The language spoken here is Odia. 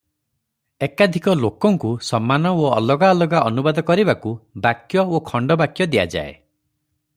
ଏକାଧିକ ଲୋକଙ୍କୁ ସମାନ ଓ ଅଲଗା ଅଲଗା ଅନୁବାଦ କରିବାକୁ ବାକ୍ୟ ଓ ଖଣ୍ଡବାକ୍ୟ ଦିଆଯାଏ ।